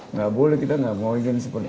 nggak boleh kita nggak mau ingin seperti